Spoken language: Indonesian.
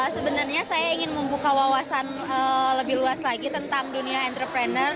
sebenarnya saya ingin membuka wawasan lebih luas lagi tentang dunia entrepreneur